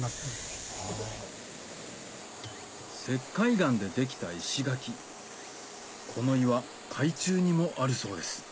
石灰岩で出来た石垣この岩海中にもあるそうです